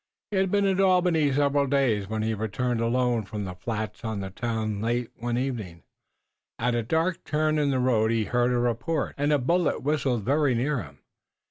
He had been at Albany several days when he returned alone from the flats to the town late one evening. At a dark turn in the road he heard a report, and a bullet whistled very near him.